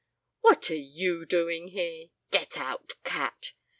"What are you doing here! Get out, cat!"